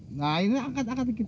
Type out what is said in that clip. nah ini angkat angkat kita